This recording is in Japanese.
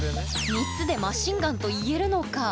３つでマシンガンと言えるのか？